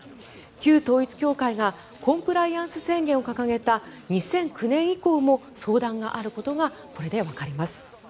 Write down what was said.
旧統一教会がコンプライアンス宣言を行った２００９年以降も相談があることがこれでわかります。